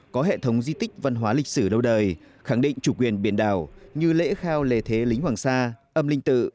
có hệ thống di tích văn hóa lịch sử lâu đời khẳng định chủ quyền biển đảo như lễ khao lễ thế lính hoàng sa âm linh tự